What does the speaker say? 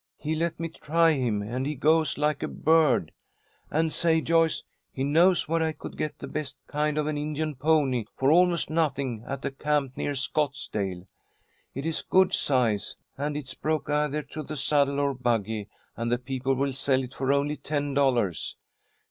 "He let me try him, and he goes like a bird. And say, Joyce, he knows where I could get the best kind of an Indian pony for almost nothing, at a camp near Scottsdale. It is good size, and it's broke either to the saddle or buggy, and the people will sell it for only ten dollars.